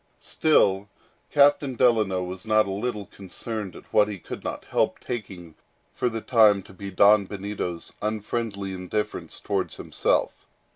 Still, Captain Delano was not a little concerned at what he could not help taking for the time to be Don Benito's unfriendly indifference towards himself.